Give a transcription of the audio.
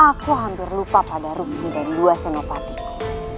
aku hampir lupa pada rukmi dan dua senopatiku